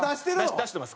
出してます